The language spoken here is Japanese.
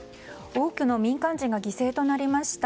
多くの民間人が犠牲となりました